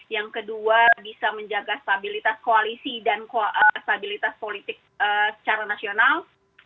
yang kedua bisa menjaga stabilitas koalisi dan stabilitas politik secara nasional